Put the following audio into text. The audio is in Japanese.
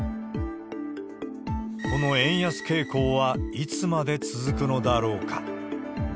この円安傾向はいつまで続くのだろうか。